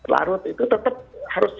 larut itu tetap harus